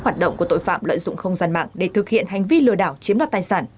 hoạt động của tội phạm lợi dụng không gian mạng để thực hiện hành vi lừa đảo chiếm đoạt tài sản